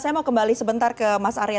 saya mau kembali sebentar ke mas arya